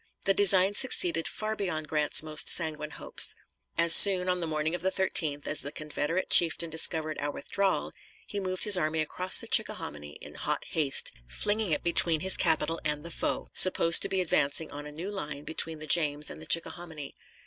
The design succeeded far beyond Grant's most sanguine hopes. As soon, on the morning of the 13th, as the Confederate chieftain discovered our withdrawal, he moved his army across the Chickahominy in hot haste, flinging it between his capital and the foe, supposed to be advancing on a new line between the James and the Chickahominy.